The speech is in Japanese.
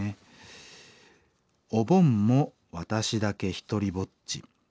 「お盆も私だけ独りぼっち。